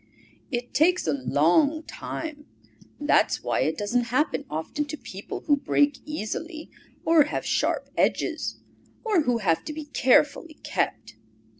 It takes a long time. That's why it doesn't happen often to people who break easily, or have sharp edges, or who have to be carefully kept.